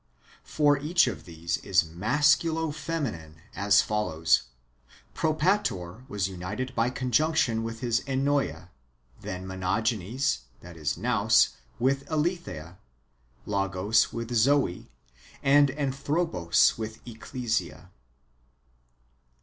For each of tliese is masculo femlnine, as follows : Propator was united by con junction with his Enncca; then Monogenes, that is Nous, with Aletheia ; Logos with Zoe, and Anthropos with Ecclesia.